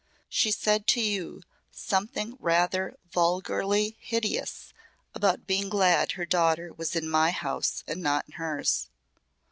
She said to you something rather vulgarly hideous about being glad her daughter was in my house and not in hers."